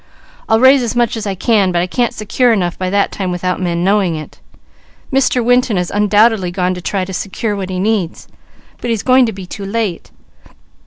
I'll raise as much as I can, but I can't secure enough by that time without men knowing it. Mr. Winton has undoubtedly gone to try to secure what he needs; but he's going to be too late.